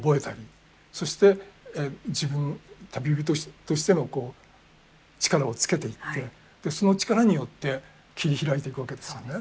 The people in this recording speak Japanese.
そして自分旅人としての力をつけていってその力によって切り開いていくわけですよね。